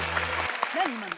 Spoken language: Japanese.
何今の？